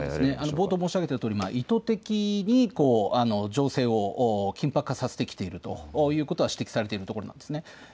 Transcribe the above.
冒頭に申し上げたとおり意図的に情勢を緊迫化させてきているということは指摘されているところなんです。